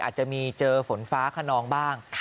อาจจะมีเจอฝนฟ้าขนองบ้าง